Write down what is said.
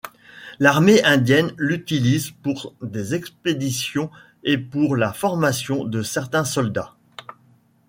L’armée indienne l’utilise pour des expéditions et pour la formation de certains soldats.